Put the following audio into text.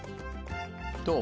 どう？